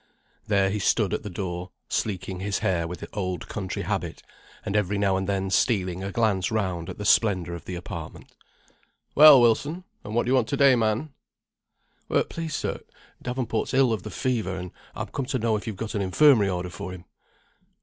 There he stood at the door, sleeking his hair with old country habit, and every now and then stealing a glance round at the splendour of the apartment. "Well, Wilson, and what do you want to day, man?" "Please, sir, Davenport's ill of the fever, and I'm come to know if you've got an Infirmary order for him?"